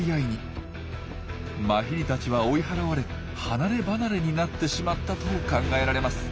マヒリたちは追い払われ離れ離れになってしまったと考えられます。